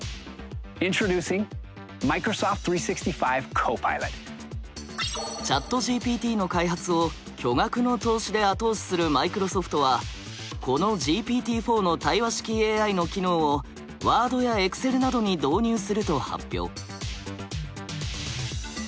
ＩｎｔｒｏｄｕｃｉｎｇＣｈａｔＧＰＴの開発を巨額の投資で後押しするマイクロソフトはこのＧＰＴー４の対話式ＡＩの機能を「ワード」や「エクセル」などに導入すると発表。